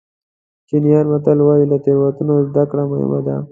چینایي متل وایي له تېروتنو زده کړه مهم ده.